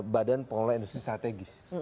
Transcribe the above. badan pengelola industri strategis